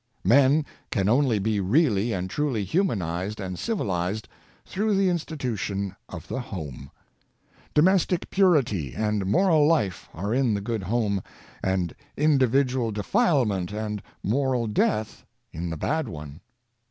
Men can only be really and truly humanized and civilized through the institution of the Healthy Homes. 41 home. Domestic purity and moral life are in the good home, and individual defilement and moral death in the bad one.